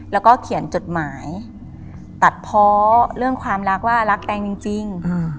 แล้วก็เขียนจดหมายตัดเพาะเรื่องความรักว่ารักแตงจริง